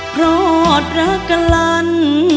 ปลอดรักกันลัน